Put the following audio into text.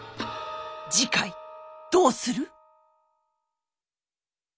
次回どうする？